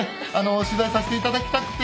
取材させていただきたくて。